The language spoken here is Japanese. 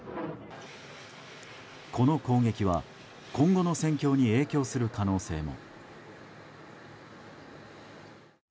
この攻撃は今後の戦況に影響する可能性も。